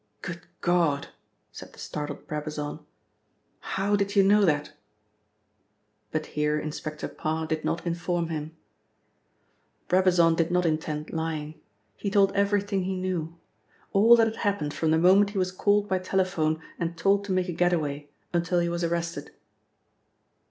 "Good God!" said the startled Brabazon. "How did you know that?" But here Inspector Parr did not inform him. Brabazon did not intend lying. He told everything he knew. All that had happened from the moment he was called by telephone and told to make a get away, until he was arrested.